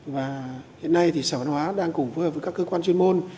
và hiện nay thì sở văn hóa đang cùng với hợp với các cơ quan chuyên môn